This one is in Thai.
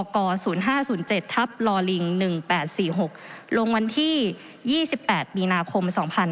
ก๐๕๐๗ทับลอลิง๑๘๔๖ลงวันที่๒๘มีนาคม๒๕๕๙